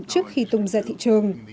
trước khi tung ra thị trường